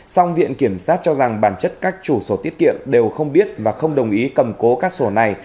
song viện kiểm sát cho rằng bản chất các chủ sổ tiết kiệm đều không biết và không đồng ý cầm cố các sổ này